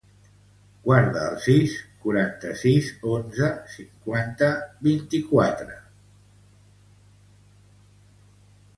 Guarda el sis, quaranta-sis, onze, cinquanta, vint-i-quatre com a telèfon de la Fatoumata Feo.